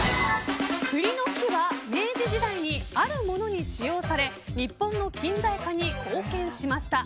栗の木は明治時代にあるものに使用され日本の近代化に貢献しました。